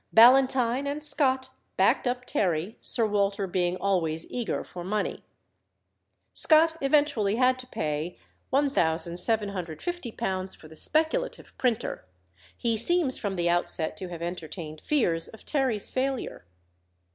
Ballantyne and Scott backed up Terry, Sir Walter being always eager for money. Scott eventually had to pay £1750 for the speculative printer; he seems from the outset to have entertained fears of Terry's failure.